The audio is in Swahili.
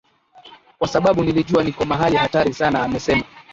kwasababu nilijua niko mahali hatari sana amesema